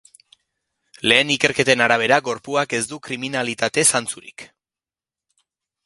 Lehen ikerketen arabera, gorpuak ez du kriminalitate-zantzurik.